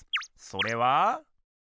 それは。